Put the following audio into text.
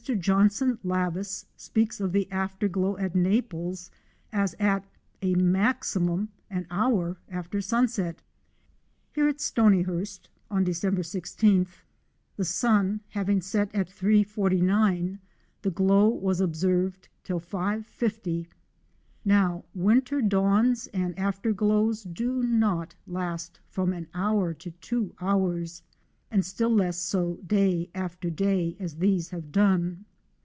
Johnston Lavis speaks of the after glow at Naples as at a maximum an hour after sunset Here at Stonyhurst on December i6th, the sun having set at 3.49, the glow was observed till 5.50. Now winter dawns and after glows do not last from an hour to two hours, and still less so day after day, as these have done.